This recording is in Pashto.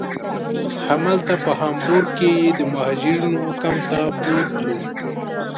همالته په هامبورګ کې یې د مهاجرینو کمپ ته بوتلو.